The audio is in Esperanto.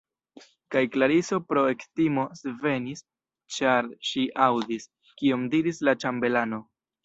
Kaj Klariso pro ektimo svenis, ĉar ŝi aŭdis, kion diris la ĉambelano.